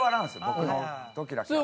僕の時だけ。